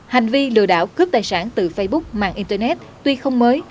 hành vi lừa đảo cướp tài sản từ facebook mạng internet tuy không mới